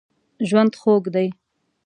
ژوند خوږ دی.